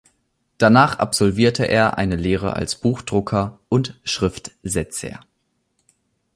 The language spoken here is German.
Danach absolvierte er eine Lehre als Buchdrucker und Schriftsetzer.